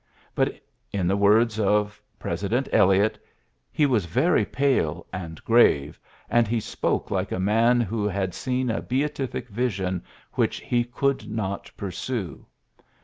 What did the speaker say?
But, in the words of President Eliot, ^^ he was very pale and grave, and he spoke like a man who had seen a beatific vision which he could not pursue.